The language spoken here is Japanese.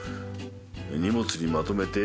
「荷物にまとめて」